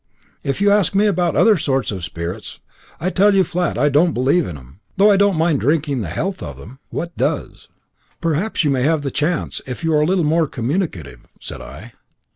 If you ask me about other sorts of sperits, I tell you flat I don't believe in 'em, though I don't mind drinking the health of them what does." "Perhaps you may have the chance, if you are a little more communicative," said I.